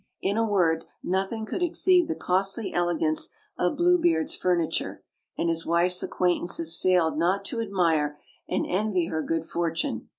In a word, nothing could exceed the costly elegance of Blue Beard's furniture, and his wife's acquaintances failed not to admire and envy her good for tune.